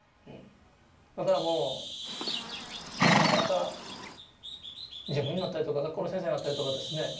だからもうなかなか事務員になったりとか学校の先生になったりとかですね